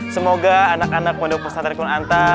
semoga anak anak pondok pusat tarikun anta